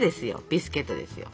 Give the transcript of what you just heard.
ビスケットですよ。